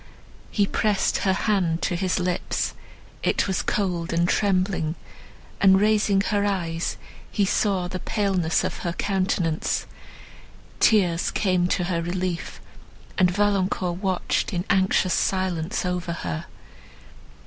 He pressed her hand to his lips, it was cold and trembling; and, raising her eyes, he saw the paleness of her countenance. Tears came to her relief, and Valancourt watched in anxious silence over her.